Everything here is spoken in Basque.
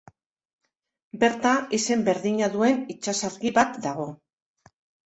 Berta, izen berdina duen itsasargi bat dago.